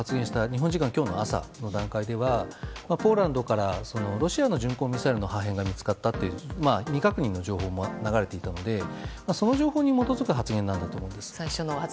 日本時間今日朝の段階ではポーランドからロシアの巡航ミサイルの破片が見つかったという未確認の情報も流れていたのでその情報に基づく発言だと思うんです。